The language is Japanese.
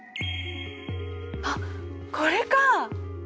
あっこれかあ！